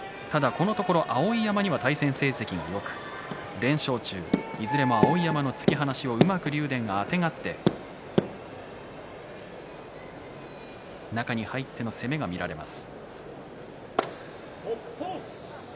ただ、このところ碧山には対戦成績がよく連勝中でいずれも碧山の突き放しうまく竜電があてがって中に入っての攻めが見られます。